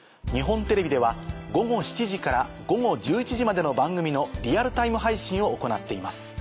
日本テレビでは午後７時から午後１１時までの番組のリアルタイム配信を行っています。